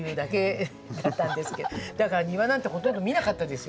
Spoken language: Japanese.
だから庭なんてほとんど見なかったですよ。